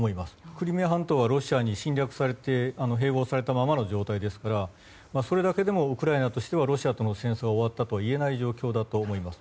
クリミア半島はロシアに侵略されて併合されたままの状態ですからそれだけでもウクライナとしてはロシアとの戦争が終わったとは言えない状況だと思います。